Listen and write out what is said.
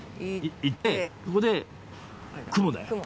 そこで雲だよ。